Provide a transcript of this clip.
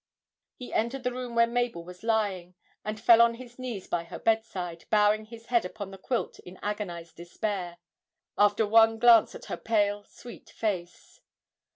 He entered the room where Mabel was lying, and fell on his knees by her bedside, bowing his head upon the quilt in agonised despair, after one glance at her pale sweet face.